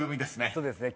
そうですね。